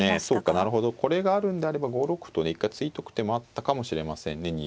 そうかなるほどこれがあるんであれば５六歩とね一回突いとく手もあったかもしれませんね